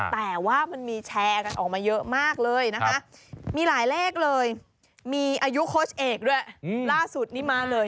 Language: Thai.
แต่ว่ามันมีแชร์กันออกมาเยอะมากเลยนะคะมีหลายเลขเลยมีอายุโค้ชเอกด้วยล่าสุดนี้มาเลย